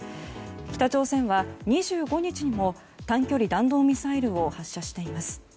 北朝鮮は２５日にも短距離弾道ミサイルを発射しています。